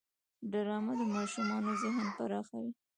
ډرامه د ماشومانو ذهن پراخوي